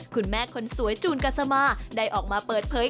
คุณแม่คนสวยจูนกัสมาได้ออกมาเปิดเผย